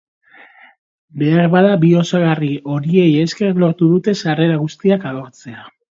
Beharbada, bi osagarri horiei esker lortu dute sarrera guztiak agortzea.